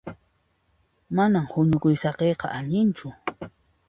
Manan huñukuy saqiyqa allinchu.